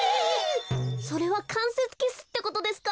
それはかんせつキスってことですか？